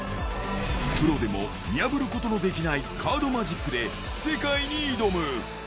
プロでも見破ることのできないカードマジックで世界に挑む。